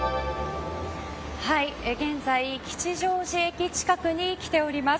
現在、吉祥寺駅近くに来ております。